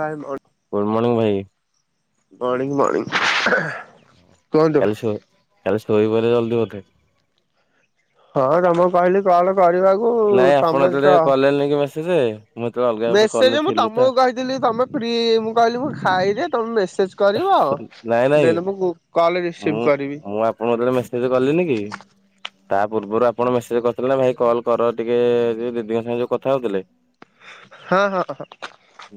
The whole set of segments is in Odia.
ରାଇ [unintelligible] ଗୁଡ଼ମଣିଙ୍ଗ ହୁଁ ଭାଇ ମଣିଙ୍ଗ ମଣିଙ୍ଗ କାଲିସୋ କାଲି ସୋଇ ପାଇଲ ଜଲଦି ବୋଧେ। ହଁ ତମ କୁ କହିଲି କଲ କରିବାକୁ ନାଇଁ ଆପଣ ତମେ ତ ଯେତେବେେ କଲେ ନଁ କି ମେସେଜ ମୁଁ ହେତେବେଳେ ଅଲଗା ଗୋଟେ କଲରେ ଥିଲି ତ ଥିଲି ତମେ ପ୍ରି ମୁଁ କହିଲି ମୁ ଖାଇଲେ ତମେ ମେସ ମେସେଜ କରିବ ନାଇଁ ନାଇଁ ଦେନ୍ ମୁଁ କଲ୍ ରିସିଭ ମୁଁ କରିବି। ମୁଁ ମୋର ଯ ମେସିନି କଲିନି କି ତା ପୂର୍ବରୁ ଆପଣ ମେସେଜ କରିଥିଲେ ନା ଭାଇ କଲ୍ କର ଟିକେ ଦିଦିଙ୍କ ସାଙ୍ଗେ ଯଉ କଥା ହଉଥିଲେ ହଁ ହଁ ହଁ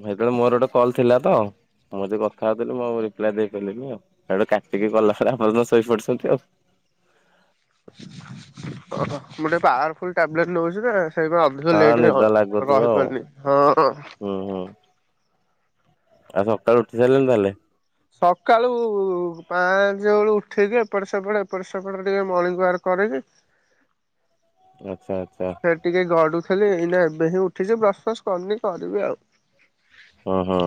ହେତେବେଳେ ମୋର ଗୋଟେ କଲ ଥିଲା ତ ମୁଁ ହେତେ କଥା ମୁଁ ଆଉ ରିପ୍ଲାଇ ଦେଇ ପାରିଲିନି ଆଉ ହେଡୁ କାଟିକି ଗଲା ପରେ ଆପର ତ ଶୋଇ ପଡିଛନ୍ତି ଆଉ। ଓୋହ ମୁଁ ଟିକେ ପାୱାରଫୁଲ ଟବଲେଟ ନେଉଛି ତ ସେଥିପାଇଁ ହଁ ଲଟରେ ନିଦ ଲାଗୁଥିବ ଆଉ ରହିପାରୁନି ହଁ ହୁଁ ହୁଁ। ଆଉ ସକାଳୁ ଉଠି ସାରିଲେଣି ତାହେଲେ? ସକାଳୁ ଉ ପାଞ୍ଚ ବେଳୁ ଉଠେକି ଏପଟେ ସେପଟେ ଏପଟେ ସେପଟେ ଟିକେ ମର୍ଣିଙ୍ଗ ୱାର୍କ କରିକି ଆଛା ଆଛା। ଟିକେ ଗଡୁଥିଲି ଏଇ ଏବେ ହିଁ ଉଠିଛି ବ୍ରସ୍ ଫ୍ରସ୍ କରିନି କରିବି ଆଉ। ହଁ ହଁ।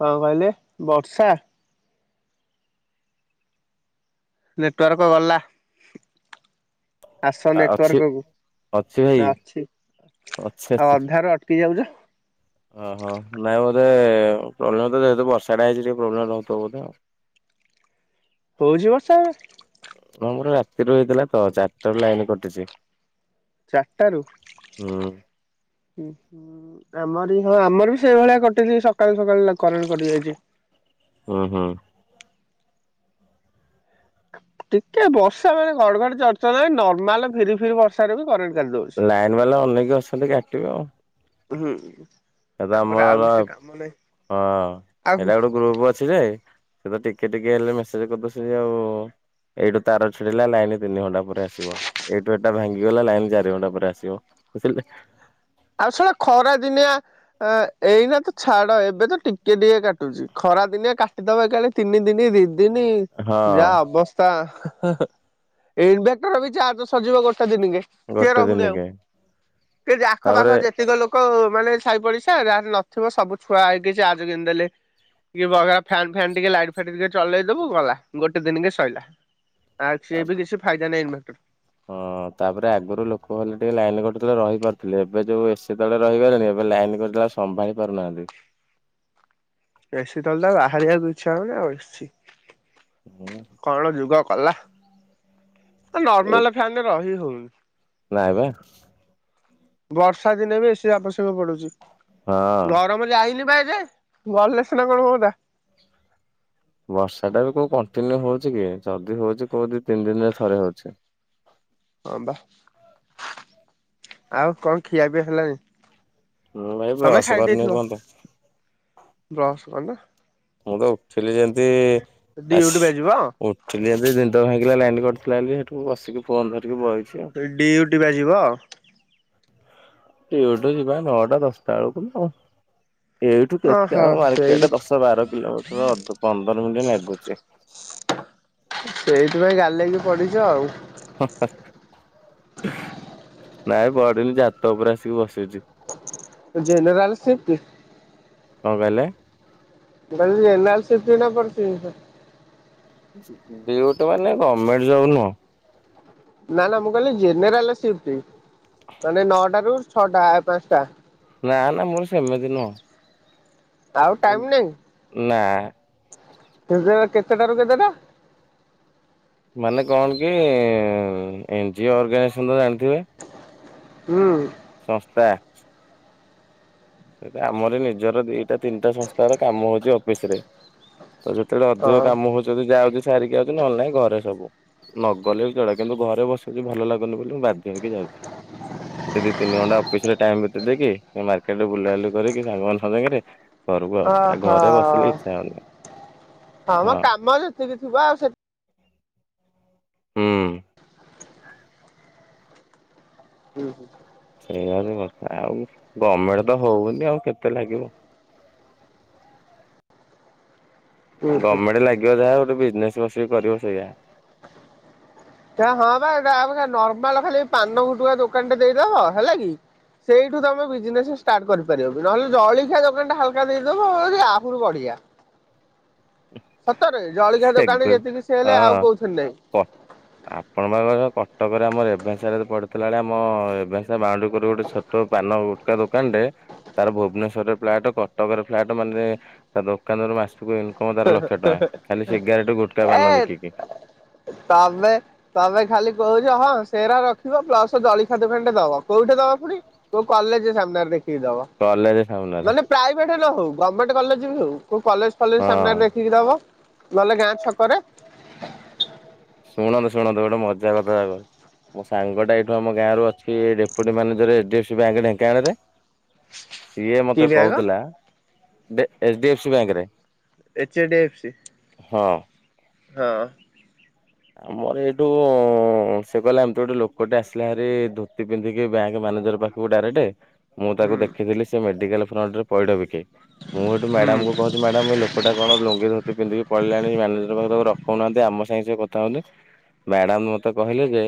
କଣ କହିଲେ ବର୍ଷା ନେଟୱାର୍କ ଗଲା। ଆସ ଅଛି ନେଟୱାର୍କକୁ ଅଛି ଭାଇ? ନା ଅଛି? ଅଛି ଆଉ ଅଛି। ଅଧାରୁ ଅଟକି ଯାଉଛ ଓହୋ ନାଇଁ ବୋଧେ ପ୍ରୋବ୍ଲେମ୍ ତ ଯେହେତୁ ବର୍ଷାଟା ହେଇଛି ଟିକେ ପ୍ରୋବ୍ଲେମ୍ ହେଇଥିବ ବୋଧେ ହଉଛି ବର୍ଷା? ହଁ ଆମର ରାତିରୁ ହେଇଥିଲା ତ ଚାରିଟା ରେ ଲାଇନ୍ କଟିଛି। ଚାର୍ ଟା ରେ। ହୁଁ ଆମର ହିଁ ଆମର ବି ସେଇଭଳିଆ କଟି ସକାଳୁ ସକାଳୁ କରେଣ୍ଟ କଟି ଯାଇଛି। ହଁ ହଁ। ଟିକେ ବର୍ଷା ମାନେ ଘଡ଼ ଘଡ଼ ଚର୍ ଚର୍ ନର୍ମାଲ ଫିରି ଫିରି ବର୍ଷା ରେ ବି କରେଣ୍ଟ କାଟି ଦଉଛି। ଲାଇନ୍ ବାଲା ଅନେଇକି ଅଛନ୍ତି କାଟିବେ ଆଉ। ହୁଁ। ଏବେ ତାଙ୍କର ଆଉ ଆମର କିଛି କାମ ନାହିଁ ହଁ ଆଉ ଏଇଟା ଗୋଟେ ଗ୍ରୁପ୍ ଅଛି ଯେ ସେ ତ ଟିକେ ଟିକେ ହେଲେ ମେସେଜ୍ କରିଦଉଛନ୍ତି ଆଉ। ଏଇଠୁ ତାର ଛିଡ଼ିଲା ଲାଇନ୍ ତିନି ଘଣ୍ଟା ପରେ ଆସିବ। ଏଇଠୁ ଏଟା ଭାଙ୍ଗିଗଲା ଲାଇନ୍ ଚାରି ଘଣ୍ଟା ପରେ ଆସିବ ବୁଝିଲେ। ଆସୁନ ଖରା ଦିନିଆ ଏଇନା ତ ଛାଡ଼ ଏବେ ତ ଟିକେ ଟିକେ କାଟୁଛି ଖରା ଦିନେ କାଟିଦବ ତିନି ଦିନି ଦି ତିନି ହଁ ଯାହା ଅବସ୍ ଇନଭଟର ବି ଚାର୍ଜ ସରିଯିବ ଗୋଟେ ଦିନ ରେ। ସେ ଗୋଟେ ରହୁନି ଆଉ ଦିନକେ ସେ ଆଖ ତାପରେ ପାଖ ଯେତେ ଏତିକ ଲୋକ ମାନେ ସାଇପଡ଼ିଶା ଯାହାର ନଥିବ ସବୁ ଛୁଆ ଆଇକି ଚାର୍ଜ କିଣି ଦେଲେ। ଫନ୍ ଫନ୍ ଟିକେ ଲାଇଟ୍ ଫାଇଟ୍ ଟିକେ ଚଲେଇଦବୁ ଗଲା ଗୋଟେ ଦିନ କି ସଇଲା। ଆଉ ସେ ବି କିଛି ଫାଇଦା ନହିଁ ଇନଭଟର। ହଁ ତାପରେ ଆଗରୁ ଲୋକ ହେଲେ ଟିକେ ଲାଇନ୍ କଟିଗଲେ ରହିପାରୁଥିଲେ ଏବେ ଯୋଉ ଏସି ତଳେ ରହିଗଲେଣି ଏବେ ଲାଇନ୍ ଗ ସମ୍ଭାଳି ପାରୁନାହାନ୍ତି। ଏସିଟା ହେଲେ ବାହାରିବାକୁ ଇଚ୍ଛା ହଉନି ଆଉ ଏସି କଣ ଯୁଗ କଲା? ନର୍ମାଲ ଫ୍ୟାନରେ ରହି ହଉନି। ନା ବା। ବର୍ଷା ଦିନରେ ସେ ଆବଶ୍ୟକ ପଢ଼ୁଛି। ହଁ ଗରମ ଯଇନି ବା ଏଯାଏ ଗଲେ ସିନା କଣ ହୁ। ବର୍ଷା ଟା ବି କଉ କଣ୍ଟିନ୍ୟୁ ହଉଛି କି ଜଦି ହଉଛି କଉ ଦି ତିନି ଦିନରେ ଥରେ ହଉଛି। ହଁ ବା ଆଉ କଣ ଖିଆପିଆ ହେଲଣିି? ହଁ ଭାଇ ବ୍ରସ କରିନି ଏପର୍ଯ୍ୟନ୍ତ। ବ୍ରସ୍ କରି। ନ ମୁଁ ତ ଉଠିଲି ଯେମତି ଆସ୍ ଡିଉଟି ବା ଯିବ ଯେମିତି ନିଦ ଭାଙ୍ଗିଲା ଲାଇନ୍ କଟିଥିଲା ବୋଲି ସେଠୁ ବସିକି ଫୋନ ଧରିକି ବଇଛି ଆଉ। ଡିଉଟି ବା ଯିବ। ଡ୍ୟୁଟି ଯିବା ନଅଟା ଦଶଟା ବେଳକୁ। ଏଇଠୁ କେତେ ଓହୋ ଆମ ସେଇ ମାର୍କେଟ ଦଶ ବାର କିଲୋମିଟର ପନ୍ଦର ମିନିଟ ଲାଗୁଛି। ସେଇଥିପାଇଁ ଗାଲିକି ପଡିଚୁ ଆଉ। ନାଇଁ ପଡିନି ଛାତ ଉପରେ ଆସିକି ବସଚି। ଜେନେରାଲ ସିପଟ୍। କଣ କହିଲେ? ମୁଁ କହିଲି ଜେନେରାଲ ସିପଟ୍ ଏଇନା ପଡ଼ିଛି। ଡିଉଟି ମାନେ ଗଭର୍ଣ୍ଣମେଣ୍ଟ ଜବ୍ ନୁହଁ। ନା ନା ମୁଁ କହିଲି ଜେନେରାଲ ସିଫ୍ଟ ମାନେ ନଅଟା ରୁ ଛଅଟା ପାଞ୍ଚଟା। ନା ନା ମୋର ସେମିତି ନୁହଁ। ଆଉ ଟାଇମ୍ ନାଇଁ ନା କେଦର କେତେଟାରୁ କେତେଟା। ମାନେ କଣ କି ଏନଜିଓ ଅର୍ଗାନାଇଜେସନ ତ ଜାଣିଥିବେ। ହୁଁ। ସଂସ୍ଥା। ସେଟା ଆମର ନିଜର ଦିଟା ତିନିଟା ସଂସ୍ଥାର କାମ ହଉଛି ଅଫିସ ରେ। ତ ଯେତେବେଳେ ଅଧିକ ହଁ କାମ ହଉଛି ଯଦି ଯାଉଛି ସାରିକି ଆଉଚି ନହେଲେ ନାଇଁ ଘରେ ସବୁ। ନଗଲେ ବି ଚଳେ କିନ୍ତୁ ଘରେ ବସଛି ଭଲ ଲାଗୁନି ବୋଲି ମୁଁ ବାଧ୍ୟ ହେଇକି ଯାଉଛି। ସେଠି ଦି ତିନି ଘଣ୍ଟା ଅଫିସ ରେ ଟାଇମ୍ ବିତେଇ ଦେଇକି ମାର୍କେଟରେ ବୁଲାବୁଲି କରିକି ସାଙ୍ଗମାନ ସାଙ୍ଗରେ ଘରକୁ ଆଉଛି ଆ ଅହ ଘରେ ବସିଲେ ଇଚ୍ଛା ହଉନି ହଁ। ସେତିକି ଥିବ ଆଉ ସେତିକି ହୁଁ। ହୁଁ ହୁଁ। ସେଇଆ ବି କଥା ଆଉ ଗଭର୍ଣମେଣ୍ଟ ତ ହଉନି ଆଉ କେତେ ଲାଗିବ। ହୁଁ ଗଭର୍ଣ୍ଣମେଣ୍ଟ ଲାଗିବ ଯାହା ଗୋଟେ ବିଜନେସ୍ ବସିକି କରିବ ସେଇଆା। ସେୟା ହଁ ବା ଏଇଟା ଆଉ ସେ ନର୍ମାଲ ଖାଲି ପାନ ଗୁଟୁକା ଦୋକାନ ଟେ ଦେଇଦବ ହେଲା କି। ସେଇଠୁ ତୁମେ ବିଜନେସ ଷ୍ଟାର୍ଟ କରିପାରିବ ବିି ନହେଲେ ଜଳଖିଆ ଦୋକାନଟା ହାଲକା ଦେଇଦବ ଆହୁରି ବଢ଼ିଆ। ସତରେ ଜଳିଖିଆ ଦୋକାନରେ ଯେତିକି ସେଲ ଆଉ କୋଉଥିରେ ନାଇଁ। ତ। ଆପଣଙ୍କ ପାଖରେ କଟକରେ ଆମର ରେଭେନ୍ସା ରେ ପଢୁଥିଲା ବେଳେ ଆମ ରେଭେନ୍ସା ବାଉଣ୍ଡରୀ କରକୁ ଗୋଟେ ଛୋଟ ପାନ ଗୁଟୁଖା ଦୋକାନ ଟେ ତାର ଭୁବନେଶ୍ୱରରେ ଫ୍ଲାଟ କଟକରେ ଫ୍ଲାଟ ମାନେ ତା ଦୋକାନରୁ ମାସକୁ ପନ୍ଦର ଲକ୍ଷ ଟଙ୍କା ଖାଲି ସେ ଗ୍ୟାସ ସିଗାରେଟ୍ ପାନ ଗୁଟକା ବିକିକି। ତାହଲେ। ତମେ ଖାଲି କହୁଛ ହଁ ସେରା ରଖିବ ପ୍ଲସ ଜଳିଖିଆ ଦୁକାନ କେ ଦବ କୋଉଠି ଦବ ପୁଣି? କୋଉ କଲେଜ ସାମ୍ନାରେ ଦେଖିକି ଦବ। କଲେଜ ସାମ୍ନାରେ। ମାନେ ପ୍ରାଇଭେଟ ନ ହଉ ଗଭର୍ଣ୍ଣମେଣ୍ଟ କଲେଜ ବି ହଉ କଲେଜ ଫଲେଜ ହଁ ସାମ୍ନାରେ ଦେଖିକି ଦବ। ନହେଲେ ଗାଁ ଛକରେ। ଶୁଣନ୍ତୁ ଶୁଣନ୍ତୁ ଗୋଟେ ମଜା କଥା ଯା କ ମୋ ସାଙ୍ଗଟା ଏଇଠୁ ଆମ ଗାଁ ର ଅଛି deputy manager H D F C bank ଢେଙ୍କାନାଳରେ। ସିଏ କି ମତେ ବ୍ୟାଙ୍କ କହୁଥିଲା H D F C bank ରେ ଏଚ ଡି ଏଫ୍ ସି। ହଁ। ହଁ। ଆମର ଏଇଠୁ ସେ କହିଲେ ଏମତି ଗୋଟେ ଲୋକଟେ ଆସିଲା ଭାରି ଧୋତି ପିନ୍ଧିକି ବ୍ୟାଙ୍କ ମ୍ୟାନେଜର ପାଖରେ ତୁ ଦରେଟ ମୁଁ ତାକୁ ହୁଁ ଦେଖିଥିଲି ସେ ମେଡିକାଲ ଫ୍ରଣ୍ଟରେ ପଇଡ଼ ବିକେ ମୁଁ ସେଠୁ ହୁଁ ମ୍ୟାଡାମ କହୁଚି। ମ୍ୟାଡ଼ାମ ଏଇ ଲୋକଟା କଣ ଲୁଙ୍ଗି ଧୋତି ପିନ୍ଧିକି ପଳେଇଲାଣି ମ୍ୟାନେଜର ପାଖକୁ ତାକୁ ରଖୋଉନାହାନ୍ତି ଆମ ସାଙ୍ଗେ ସିଏ କ ତଉନି, ମ୍ୟାଡାମ୍ ମତେ କହିଲେ ଯେ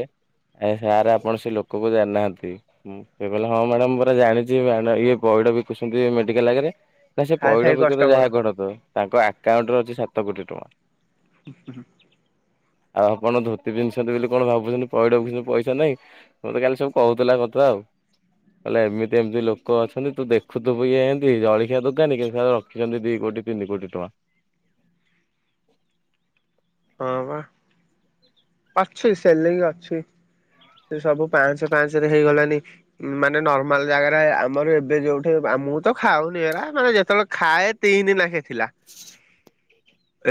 ଆ ସାରେ ଆପଣ ସେ ଲୋକକୁ ଜାଣିନାହାଁନ୍ତି! ହୁଁ, ସେ କହିଲେ ହଁ, ମ୍ୟାଡାମ୍ ମୁଁ ପରା ଜାଣିଚି, [unintelligible] ଇଏ ପଇଡ ବିକୁସୁନ୍ତି ମେଡିକାଲ୍ ଆଗେରେ! ନା, ସେ ହାଇ ପଇଡ଼ ଫାଇ ବିକନ୍ତୁ, କଷ୍ଟମର ଯାହା କରନ୍ତୁ। ତାଙ୍କ ଆକାଉଣ୍ଟରେ ଅଛି ସାତ କୋଟି ଟଆଁ। [unintelligible] ଆଉ ଆପଣ ଧୋତି ପିନ୍ଧିସନ୍ତି ବେଲି କଣ ଭାବୁଚନି, ପଇଡ଼ ବିକୁସନ୍ତି ପଇସା ନାହିଁ? ମୋତେ କାଲି ସବୁ କହୁଥିଲା, କଥା ଆଉ। କଲେ ଏମିତି ଏମିତି ଲୋକ ଅଛନ୍ତି, ତୁ ଦେଖୁଥୂବୁ ଇଏ ଏଁତି, ଜଳଖିଆ ଦୋକାନୀ! କିନ୍ତୁ [unintelligible] ଖିଛନ୍ତି ଦି କୋଟି, ତିନି କୋଟି ଟଆଁ। ହଁ ବା, ଅଛି ସେଲେରି ଅଛି। ସେ ସବୁ ପାଞ୍ଚ ପାଞ୍ଚ ରେ ହେଇଗଲାନି। ମାନେ ନର୍ମାଲ ଜାଗାରେ ଆମର ଏବେ ଯୋଉଠେ, ଆ ମୁଁ ତ ଖାଉନି, ଏରା ମାନେ ଯେତେବେଳେ ଖାଏ ତିନି ନାଖେ ଥିଲା।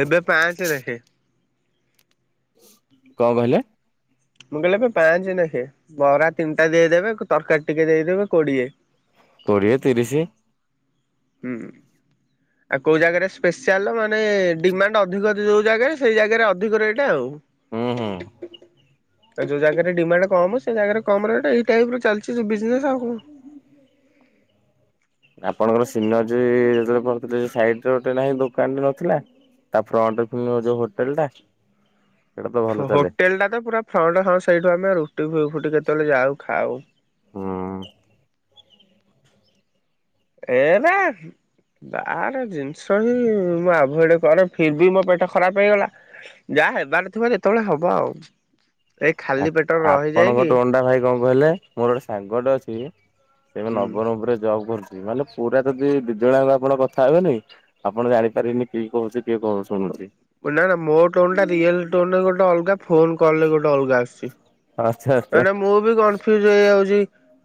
ଏବେ ପାଞ୍ଚେ ନେଖେ। କଣ କହିଲେ? ମୁଁ କହିଲି ଆବେ ପାଞ୍ଚେ ନେଖେ। ବରା ତିନିଟା ଦେଇଦେବେ, ତରକାରୀ ଟିକେ ଦେଇଦେବେ, କୋଡ଼ିଏ। କୋଡ଼ିଏ, ତିରିଶି। ହୁଁ। ଆଉ କଉ ଜାଗାରେ ସ୍ପେସିଆଲ୍ ମାନେ ଡିମାଣ୍ଡ ଅଧିକ ଅଛି ଯଉ ଜାଗାରେ, ସେଇ ଜାଗାରେ ଅଧିକ ରେଟ୍ ଆଉ। ହୁଁ ହୁଁ। ଆଉ ଯୋଉ ଜାଗାରେ ଡିମାଣ୍ଡ କମ୍। ସେ ଜାଗାରେ କମ୍ ରେଟ୍, ଏଇ ଟାଇପ୍ ର ଚାଲିଚି ବିଜ୍ ନେସ୍ ଆଉ କଣ? [inaudible] ଆପଣଙ୍କର ସିନର୍ଜି-ଇ ଯେତେବେଳେ ପଢୁଥିଲି, ସାଇଡ଼୍ ରେ ଗୋଟେ ନାହିଁ, ଦୁକାନ୍ ଟେ ନଥିଲା! ତା ଫ୍ରଣ୍ଟରେ [unintelligible] ଯୋଉ ହୋଟେଲ ଟା! ହ [unintelligible] ସେଇଟା ତ ଭଲ ହୋ ଚାଲେ -ହୋଟେଲଟା ତ ପୁରା ଫ୍ରଣ୍ଟ ହଁ, ସେଇଠୁ ଆମେ ରୁଟି ଫୁ- ଫୁଟି କେତେବେଳେ ଯାଉ, ଖାଉ। ହୁଁ। ଏ-ଏ ନାଁ ବାହାର ଜିନିଷ ବି, ମୁଁ ଆଭଏଡ଼୍ କରେ। ଫିର୍ ବି ମୋ ପେଟ ଖରାପ୍ ହେଇଗଲା। ଯାହା ହେବାର ଥିବ, ଯେତେବେଳେ ହବ ଆଉ। ଏଇ ଆ ଖାଲି ପେଟରେ -ଆପଣଙ୍କ ରହିଯାଇକି ଟୋନ୍ ଟା ଭାଇ କଣ କହିଲେ? ମୋର ଗୋଟେ ସାଙ୍ଗଟେ ଅଛି। ସେ ଏବେ ନବରଙ୍ଗପୁରେ ଜବ୍ କରୁଚି। ମାନେ ପୁରା ଯଦି, ଦି ଜଣଆଙ୍କ ଆପଣ କଥା ହବେନି! ଆପଣ ଜାଣିପାରିବେନି କିଏ କହୁଛି କିଏ କହୁଚ୍ ଶୁଣୁଚି। ନା, ନା, ମୋ ଟୋନ୍ ଟା, ରିଅଲ୍ ଟୋନ୍ ରେ ଗୋଟେ ଅଲଗା। ଫୋନ୍ କଲ୍ ରେ ଗୋଟେ ଅଲଗା ଆସୁଛି। ଆଚ୍ଛା ଆଚ୍ଛା। ମାନେ, ମୁଁ ବି କନ୍ ଫ୍ୟୁଜ୍ ଏଇଯାଉଚି।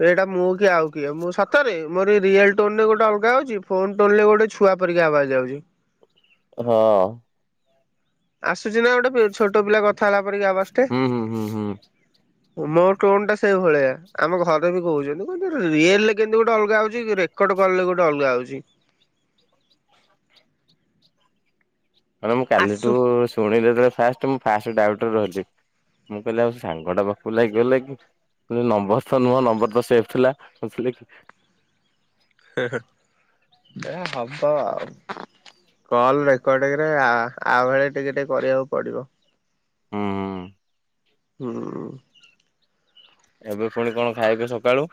ଏଇଟା ମୁଁ କି ଆଉ କିଏ? ମୁଁ, ସତରେ ମୋର ରିଅଲ୍ ଟୋନ୍ ରେ ଗୋଟେ ଅଲଗା ଆଉଛି, ଫୋନ୍ ଟୋନ୍ ଲେ ଗୋଟେ ଛୁ ଛୁଆ ପରିକା ଆବାଜ୍ ଆଉଚି। ହଁ। ଆସୁଛି ନା ଗୋଟେ ଛୋଟ ପିଲା କଥା ହେଲା ପରିକା ଆବାଜ୍ ଟେ? ହୁଁ ହୁଁ ହୁଁ ହୁଁ ମୋ ଟୋନ୍ ଟା ସେଇ ଭଳିଆ। ଆମ ଘରେ ବି କହୁଚନ୍ତି, କନ୍ତି ରିଏଲ୍ ରେ କେନ୍ତି ଗୋଟେ ଅଲଗା ଆଉଛି କିରେ? କଡ଼ କଲ୍ଲେ ଗୋଟେ ଅଲଗା ଆଉଛି। ମାନେ ମୁଁ କାଲିଠୁ ଆସୁ। ଶୁଣିଲି ଯେତେବେଳେ ଫାଷ୍ଟ, ମୁଁ ଫାଷ୍ଟରୁ ଡାଉଟ୍ ରୁ ରହିଲି। ମୁଁ କହିଲି ଆଉ ସେ ସାଙ୍ଗଟା ପାଖକୁ ଲାଗିଗଲା କି? ନମ୍ବର ତ ନୁହଁ, ନମ୍ବର ତ ସେଫ୍ ଥିଲା। [unintelligible] ଲେ କି? [unintelligible] ଯାହା ହବ ଆଉ। କଲ୍ ରେକର୍ଡିଂରେ, ଆ - ଆଭଳି ଟିକେ ଟିକେ କରିଆକୁ ପଡ଼ିବ। ହୁଁ। ହୁଁ। ଏବେ ପୁଣି କଣ ଖାଇବେ ସକାଳୁ?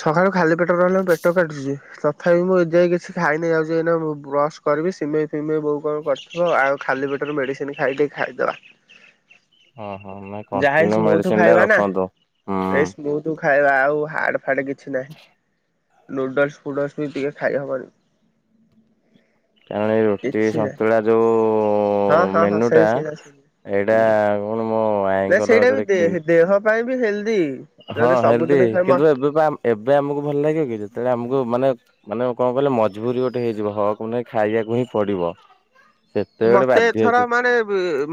ସକାଳୁ ଖାଲି ପେଟରେ ରହିଲା ବେଳକୁ ପେଟ କାଟୁଛି। ତଥାପି ମୁଁ ଏ ଯାଇ କିଛି ଖାଇନି ଯାଉଛି ଏଇନା ମୁଁ ବ୍ରସ କରିବି ସିମେଇ ଫିମେଇ ବୋଉ କଣ କରଛି। କରିଥିବ ଆଉ ଖାଲି ପେଟରେ ମେଡ଼ିସିନ ଖାଇ ଟିକେ ଖାଇଦେବା। ହୁଁ ହୁଁ ନାଇଁ କଣ୍ଟିନ୍ୟୁ ମେଡ଼ିସିନ ଟା ରଖନ୍ତୁ ହୁଁ। ଥୁ ଖାଇବା ଆଉ ହାଡ଼ ଫାଡ଼ କିଛି ନାହିଁ ନୁଡଲସ ଫୁଡଲସ ବି ଟିକେ ଖାଇହବନି। କାରଣ ଏ ରୁଟି କିଛି ନାହିଁ ସନ୍ତୁଳା ଯୋଉ ହଁ ହଁ ହଁ ସେଇ ମେନୁଟା ସେଇ ଏଇଟା କଣ ମୋ ନାଇଁ ଆଈଙ୍କର ସେଇଟା ବି ଯେତେବେଳେ କିଣି ଦେହ ଦେହ ପାଇଁ ବି ହେଲ୍ଦି। ହଁ ଯଦି ହେଲଦି ସବୁଦିନ ଖାଇ ମ କିନ୍ତୁ ଏବେ ପା ଏବେ ଆମକୁ ଭଲ ଲାଗିବ କି ଯେତେବେଳେ ଆମକୁ ମାନେ ମାନେ କଣ କହିଲ ମଜବୁରୀ ଗୋଟେ ହେଇଯିବ ହଁ ପୁଣି ଖାଇବାକୁ ହିଁ ପଡିବ। ସେତେବେଳେ ମତେ ବାଧ୍ୟ ଏଥର ହେଇକି ମାନେ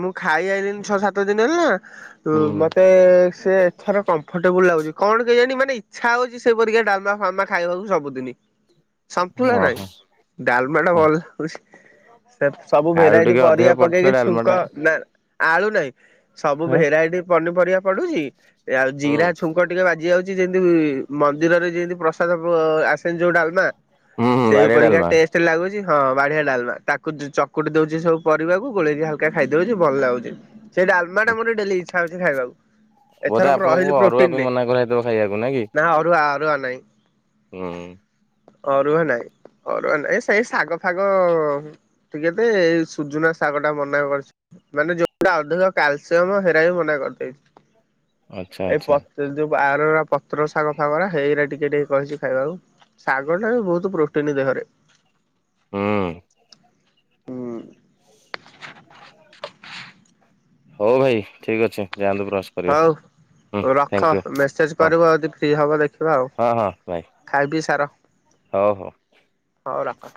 ମୁଁ ଖାଇ ଆଇଲିିନି ଛଅ ସାତ ଦିନ ହେଲା। ହଁ ହୁଁ ମତେ। ସେ ଏଥର କମ୍ଫର୍ଟେବୁଲ ଲାଗୁଛି କଣ କେଜାଣି ମାନେ ଇଚ୍ଛା ହଉଛି ସେ ପରିକା ଡାଲମା ଫାଲମା ଖାଇବାକୁ ସବୁଦିନି। ସନ୍ତୁଳା ହଁ ନାଇଁ ହଁ ଡଲମାଟା ହଁ ଭଲ ଲାଗୁଚି। ସବୁ ଆଳୁ ଭେରାଇଟି ଟିକେ ଅଧିକ ପରିବା ପଡିଥିଲା ପକେଇକି ଡାଲମା ଛୁଙ୍କ ଟା ନା। ଆଳୁ ନାଇଁ ସବୁ ହଁ ଭେରାଇଟି ପନିପରିବା ପଡୁଚି ଆଉ ହୁଁ ଜିରା ଛୁଙ୍କ। ଟିକେ ବାଜି ଯାଉଛି ଯେମିତି ମନ୍ଦିରରେ ଯେମିତି ପ୍ରସାଦ ଆସେନି ଯୋଉ ଡାଲମା। ହୁଁ ହୁଁ ସେ ବାଡିଆ ପରିକା ଡାଲମା ଟେଷ୍ଟ୍ ଲାଗୁଛି ହଁ ବାଢିଆ ଡାଲମା ତାକୁ ଚ କୁଟି ଦଉଛି ସବୁ ପରିବାକୁ ଗୋଳେଇକି ହାଲକା ଖାଇଦଉଛି ଭଲ ଲାଗୁଛି ସେଇ ଡାଲମା ଟା ମୋର ଡେଲି। ଇଚ୍ଛା ହଉଛି ଖାଇବାକୁ ଏଥର ବୋଧେ ମୁ ଆପଣଙ୍କୁ ରହିଲି ଅରୁଆ ପାଇଁ ପ୍ରୋଟିନରେ ମନା କରାହେଇଥିବ ଖାଇବାକୁ କି ନା ଅରୁଆ। ଅରୁଆ ନାଇଁ। ହୁଁ। ଅରୁଆ ନାଇଁ ଅରୁଆ ନାଇଁ ସେଇ ଶାଗ ଫାଗ। ଟିକେ ଦେବେ ଏଇ ସୁଜୁନା ଶାଗ ଟା ମନା କରିଛି। ମାନେ ଯୋଉଟା ଅଧିକ କ୍ୟାଲ୍ସିୟମ୍ ହେଗୁରା ବି ମନା ଆଚ୍ଛା କରିଦେଇଛି ଏଇ ଆଚ୍ଛା ପ ଯୋଉ ବାହାର ପତ୍ର ଶାଗ ଫାଗୁରା ସେଇଗୁରା ଟିକେ ଟିକେ କହିଛି ଖାଇବାକୁ। ଶାଗ ଟା ବି ବହୁତୁ ପ୍ରୋଟିନ୍ ଦେହରେ। ହୁଁ। ହୁଁ [unintelligible] ହଉ ଭାଇ ଠିକ୍ ଅଛି ଯାଆନ୍ତୁ ବ୍ରସ୍ କରିବେ ହଉ। ହୁଁ ରଖ ଥ୍ୟାଙ୍କୟୁ। ମେସେଜ୍ ହଁ କରିବ ଯଦି ଫ୍ରି ହେବ ଦେଖିବା ଆଉ ହଁ ହଁ ଭାଇ ଖାଇ ପି ସାର। ହଉ ହଉ। ହଉ ରଖ।